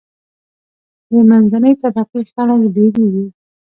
د منځنۍ طبقی خلک ډیریږي.